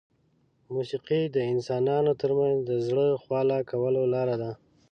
موسیقي د انسانانو ترمنځ د زړه خواله کولو لاره ده.